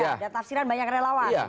dan tafsiran banyak yang lawan